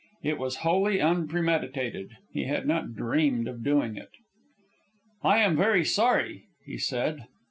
It was wholly unpremeditated; he had not dreamed of doing it. "I am very sorry," he said.